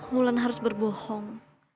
bulan harus berbohong